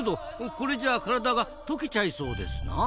これじゃあ体が溶けちゃいそうですなあ。